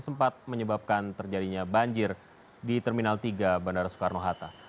sempat menyebabkan terjadinya banjir di terminal tiga bandara soekarno hatta